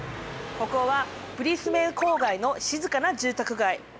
ここはブリスベン郊外の静かな住宅街。